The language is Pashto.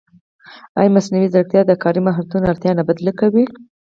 ایا مصنوعي ځیرکتیا د کاري مهارتونو اړتیا نه بدله کوي؟